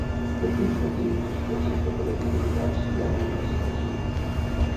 Per quins motius és possible que les divinitats l'anomenessin així?